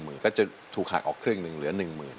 ้าสูงมือก็จะถูกหักออกเครื่องนึงหรือ๑๐๐๐๐บาท